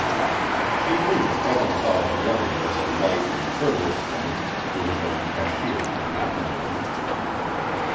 She knew that Eben thought of Marian as a light and frivolous woman who had been cashiered from matrimony.